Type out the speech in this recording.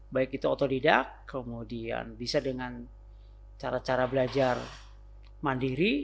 baik itu otodidak kemudian bisa dengan cara cara belajar mandiri